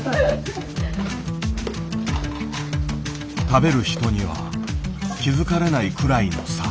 食べる人には気付かれないくらいの差。